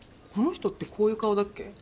この人ってこういう顔だっけ？